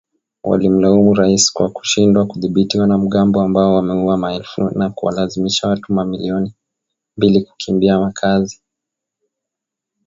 Walimlaumu Rais kwa kushindwa kudhibiti wanamgambo ambao wameua maelfu na kuwalazimisha watu milioni mbili kukimbia makazi